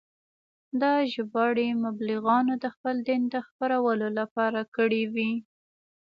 دا ژباړې مبلغانو د خپل دین د خپرولو لپاره کړې وې.